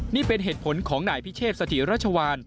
นี่เป็นเหตุผลของนายพิเชษสถิรัชวาน